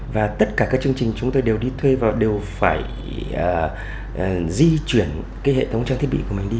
và tất cả các chương trình chúng tôi đều đi thuê và đều phải di chuyển cái hệ thống trang thiết bị của mình đi